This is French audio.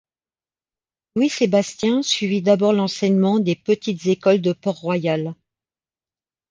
Louis-Sébastien suivit d'abord l'enseignement des Petites écoles de Port-Royal.